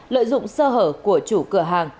lợi dụng sơ hở của chủ cửa hàng